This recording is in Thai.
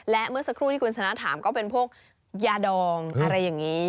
และเมื่อสักครู่ที่คุณชนะถามก็เป็นพวกยาดองอะไรอย่างนี้